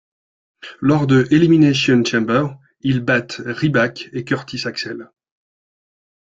Lors de Elimination Chamber, ils battent Ryback et Curtis Axel.